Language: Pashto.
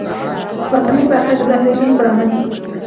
پاسنۍ برخې یې د دهلیزونو په نامه دي.